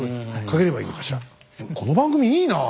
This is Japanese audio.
この番組いいなあ。